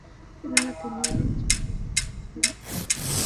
কেননা, তিনি অনিচ্ছাকৃত ভুলক্রমে এক কিবতীকে হত্যা করেছিলেন।